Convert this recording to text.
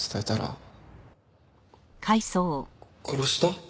殺した？